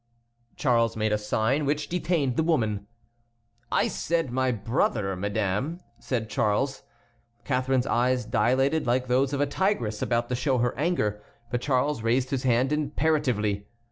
Charles made a sign which detained the woman. "I said my brother, madame," said Charles. Catharine's eyes dilated like those of a tigress about to show her anger. But Charles raised his hand imperatively.